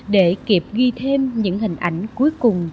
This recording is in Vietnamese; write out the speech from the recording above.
để kịp ghi thêm những hình ảnh cuối cùng